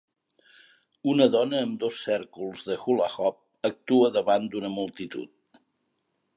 Una dona amb dos cèrcols de "hula hoop" actua davant d'una multitud.